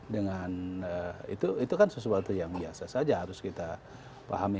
dengan itu kan sesuatu yang biasa saja harus kita pahami